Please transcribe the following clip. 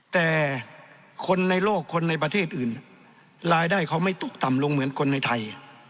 แต่คนในโลกคนในประเทศอื่นรายได้เขาไม่ตกต่ำลงเหมือนคนในไทย